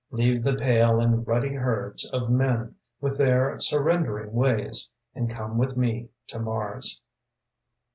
Leave the pale and ruddy herds Of men, with their surrendering ways, And come with me to Mars.